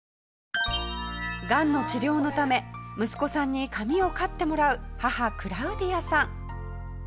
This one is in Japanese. がんの治療のため息子さんに髪を刈ってもらう母クラウディアさん。